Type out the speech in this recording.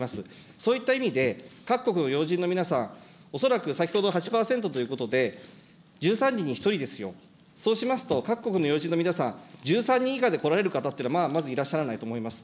そういった意味で、各国の要人の皆さん、恐らく、先ほど８％ということで、１３人に１人ですよ、そうしますと、各国の要人の皆さん、１３人以下で来られる方というのはまあ、まずいらっしゃらないと思います。